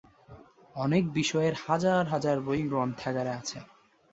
অনেক বিষয়ের হাজার হাজার বই গ্রন্থাগারে আছে।